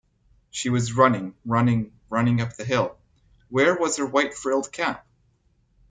She was running, running, running up the hill — where was her white frilled cap?